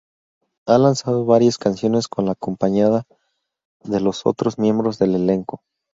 Ha lanzado varias canciones con la acompañada de los otros miembros del elenco.